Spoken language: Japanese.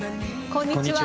こんにちは。